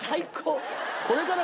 これから。